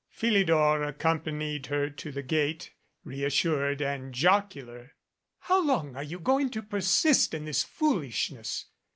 Philidor accompanied her to the gate, reassured and jocular. "How long are you going to persist in this foolish ness?"